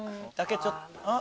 ちょっと。